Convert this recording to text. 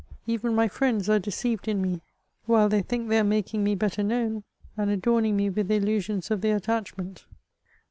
Even my friends are deceived in me, while they think they are mak ing me better known, and adorning me with the illusions of their attachment.